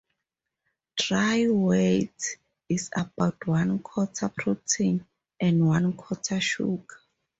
Dry weight is about one-quarter protein and one-quarter sugar.